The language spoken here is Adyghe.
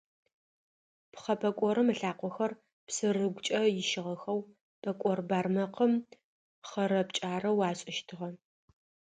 Пхъэ пӏэкӏорым ылъакъохэр псырыгукӏэ ищыгъэхэу, пӏэкӏор бармэкъыр хъэрэ-пкӏарэу ашӏыщтыгъэ.